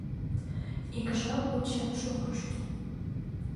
Ик жап вучен шогышт.